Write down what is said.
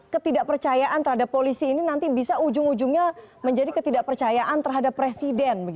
ketidakpercayaan terhadap polisi ini nanti bisa ujung ujungnya menjadi ketidakpercayaan terhadap presiden